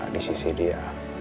di sisi dia